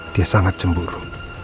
dia sangat cemburu